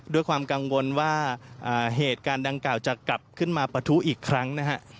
ด้วยความกังวลว่าเหตุการณ์ดังกล่าวจะกลับขึ้นมาปะทุอีกครั้งนะฮะ